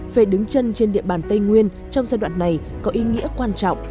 về đứng chân trên địa bàn tây nguyên trong giai đoạn này có ý nghĩa quan trọng